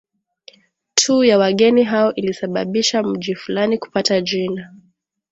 tu ya wageni hao ilisababisha mji fulani kupata jina